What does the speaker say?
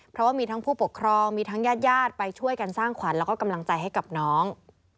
เพราะว่ามีทั้งผู้ปกครองมีทั้งญาติญาติไปช่วยกันสร้างขวัญแล้วก็กำลังใจให้กับน้อง